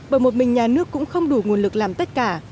bởi một mình nhà nước cũng không đủ nguồn lực làm tất cả